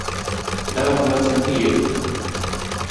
Daarom vermeld ik hem hier.